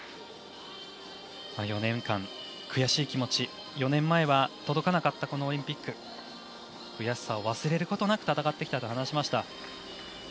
４年間悔しい気持ち４年前は届かなかったこのオリンピック悔しさを忘れることなく戦ってきたと話しました。